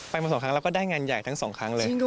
มา๒ครั้งแล้วก็ได้งานใหญ่ทั้งสองครั้งเลย